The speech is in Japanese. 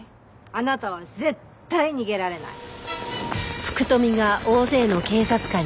あなたは絶対逃げられない。